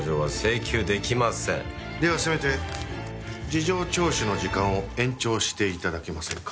ではせめて事情聴取の時間を延長して頂けませんか？